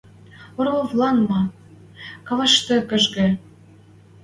Орловлан ма! Кавашты кӹжгӹ.